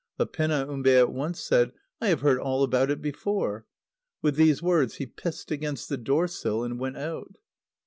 But Penaumbe at once said: "I have heard all about it before." With these words he pissed against the door sill, and went out.